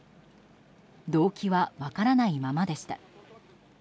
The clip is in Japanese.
動機は分からないままでした。